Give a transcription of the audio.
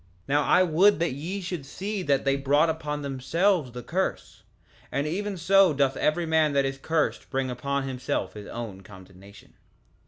3:19 Now I would that ye should see that they brought upon themselves the curse; and even so doth every man that is cursed bring upon himself his own condemnation.